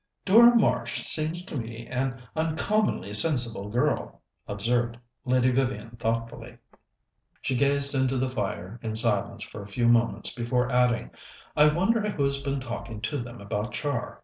"Dora Marsh seems to me to be an uncommonly sensible girl," observed Lady Vivian thoughtfully. She gazed into the fire in silence for a few moments before adding: "I wonder who's been talking to them about Char?